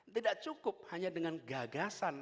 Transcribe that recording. tidak cukup hanya dengan gagasan